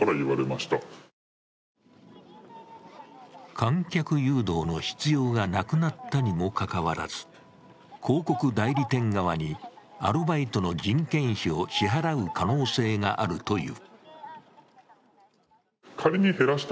観客誘導の必要がなくなったにもかかわらず広告代理店側にアルバイトの人件費を支払う可能性があるという。